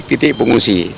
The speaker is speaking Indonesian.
hanya titik titik pengungsi